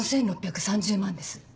４６３０万です。